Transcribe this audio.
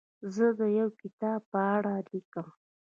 زه د یو کتاب په اړه لیکم.